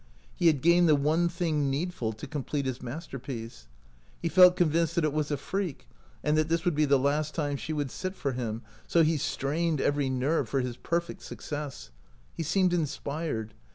He had gained the one thing needful to complete his masterpiece. He felt convinced that it was a freak, and that this would be the last time she would sit for him ; so he strained every nerve for his perfect success. He seemed inspired.